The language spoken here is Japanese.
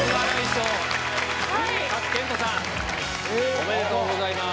おめでとうございます。